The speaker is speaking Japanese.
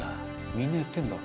「みんなやってるんだ」